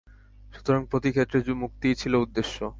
সুতরাং প্রতি ক্ষেত্রে মুক্তিই ছিল উদ্দেশ্য।